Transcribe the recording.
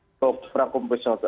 untuk perang konvensional